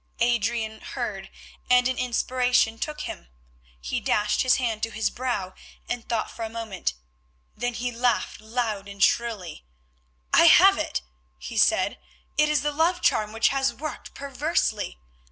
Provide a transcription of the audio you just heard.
Adrian heard, and an inspiration took him. He dashed his hand to his brow and thought a moment; then he laughed loud and shrilly. "I have it," he said. "It is the love charm which has worked perversely.